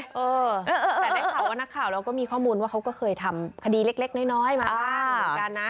แต่ได้ข่าวว่านักข่าวเราก็มีข้อมูลว่าเขาก็เคยทำคดีเล็กน้อยมาบ้างเหมือนกันนะ